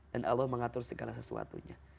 dan allah mengatur segala sesuatunya